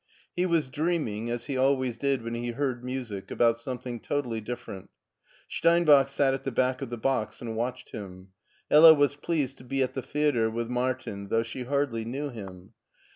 He was dreaming, as he always did when he heard music, about some thing totally different. Steinbach sat at the back of the box and watched him. Hella was pleased to be at the theater with Martin, though she hardly knew him.